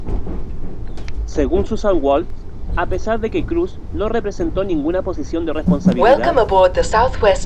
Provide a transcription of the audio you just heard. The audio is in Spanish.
Según Susan Waltz, a pesar de que Cruz "no representó ninguna posición de responsabilidad...